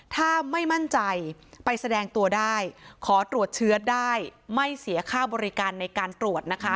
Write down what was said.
ถ้าไม่มั่นใจไปแสดงตัวได้ขอตรวจเชื้อได้ไม่เสียค่าบริการในการตรวจนะคะ